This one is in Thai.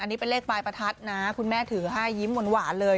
อันนี้เป็นเลขปลายประทัดนะคุณแม่ถือให้ยิ้มหวานเลย